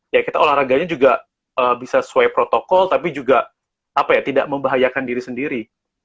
ya kita olahraganya juga bisa sesuai protokol tapi juga tidak membahayakan diri sendiri